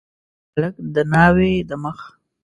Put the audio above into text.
هلک د ناوي د مخ